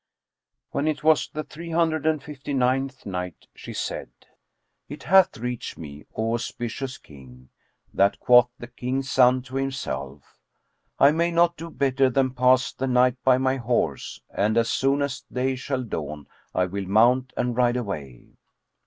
When it was the Three Hundred and Fifty ninth Night, She said, It hath reached me, O auspicious King, that quoth the king's son to himself, "I may not do better than pass the night by my horse; and as soon as day shall dawn I will mount and ride away."